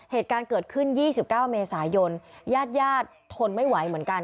เหตุการณ์เกิดขึ้น๒๙เมษายนญาติญาติทนไม่ไหวเหมือนกัน